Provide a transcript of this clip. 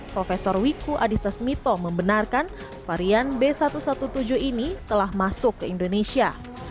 prof wiku adhisa smito membenarkan varian b satu satu tujuh ini telah masuk ke indonesia